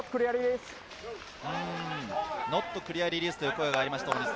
ノットクリアリリースという声がありました。